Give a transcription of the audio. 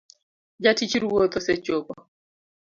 Jatich ruoth osechopo